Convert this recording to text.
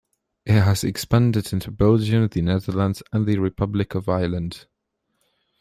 It has expanded into Belgium, the Netherlands and the Republic of Ireland.